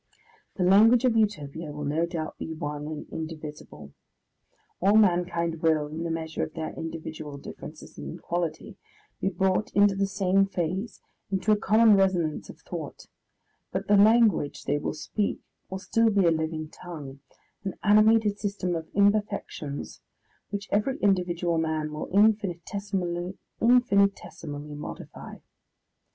The language of Utopia will no doubt be one and indivisible; all mankind will, in the measure of their individual differences in quality, be brought into the same phase, into a common resonance of thought, but the language they will speak will still be a living tongue, an animated system of imperfections, which every individual man will infinitesimally modify.